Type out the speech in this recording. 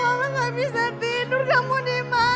mama gak bisa tidur kamu dimana